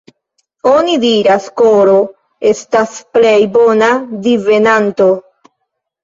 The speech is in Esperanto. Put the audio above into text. Oni diras, koro estas plej bona divenanto!